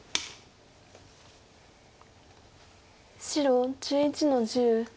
白１１の十トビ。